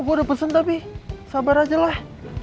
gue udah pesen tapi sabar aja lah